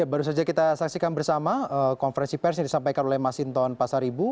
baru saja kita saksikan bersama konferensi pers yang disampaikan oleh masinton pasaribu